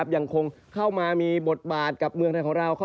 ยังคงเข้ามามีบทบาทกับเมืองไทยของเรา